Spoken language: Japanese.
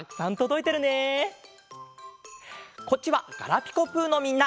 こっちは「ガラピコぷ」のみんな。